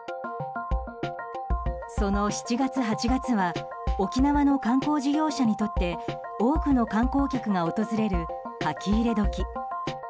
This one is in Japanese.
その７月、８月は沖縄の観光事業者にとって多くの観光客が訪れる書き入れ時。